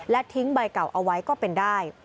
ทิ้งใบเก่าเอาไว้ก็เป็นได้